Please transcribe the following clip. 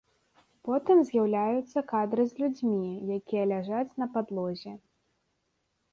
Потым з'яўляюцца кадры з людзьмі, якія ляжаць на падлозе.